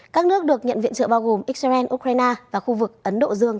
các nước được nhận viện trợ bao gồm israel ukraine và khu vực ấn độ dương